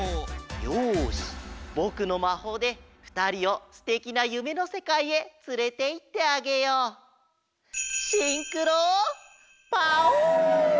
よしぼくのまほうでふたりをすてきなゆめのせかいへつれていってあげよう！わ！